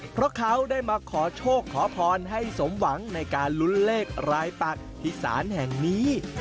เพราะเขาได้มาขอโชคขอพรให้สมหวังในการลุ้นเลขรายปักที่ศาลแห่งนี้